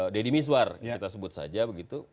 deddy miswar kita sebut saja begitu